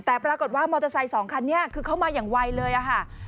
แต่ปรากฏว่ามอเตอร์ไซค์สองคันนี้คือเข้ามาอย่างไวเลยค่ะ